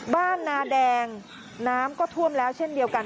บ้านนาแดงน้ำก็ท่วมแล้วเช่นเดียวกัน